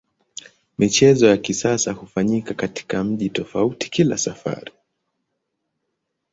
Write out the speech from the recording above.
Michezo ya kisasa hufanyika katika mji tofauti kila safari.